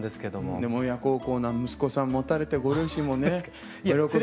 でも親孝行な息子さん持たれてご両親もねお喜びになられ。